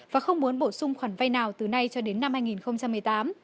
và không muốn bổ sung khoản vay nào từ nay cho đến năm hai nghìn một mươi tám